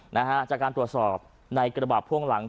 นะฮะจากการตรวจสอบในกระบะพ่วงหลัง